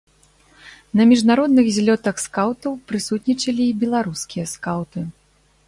На міжнародных злётах скаўтаў прысутнічалі і беларускія скаўты.